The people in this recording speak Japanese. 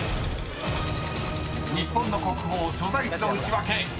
［日本の国宝所在地のウチワケ